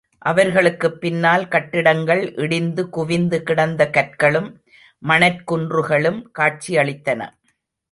அவர்களுக்குப் பின்னால் கட்டிடங்கள் இடிந்து குவிந்து கிடந்த கற்களும், மணற் குன்றுகளும் காட்சியளித்தன.